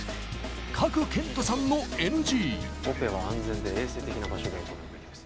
賀来賢人さんのＮＧオペは安全で衛生的な場所で行うべきです